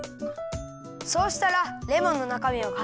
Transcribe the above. そうしたらレモンのなかみをかきだすよ。